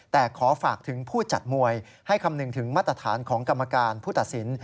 แต่ขอฝากถึงผู้จัดมวยให้คำนึงถึงมาตรฐานของกรรมการผู้ตัดสิน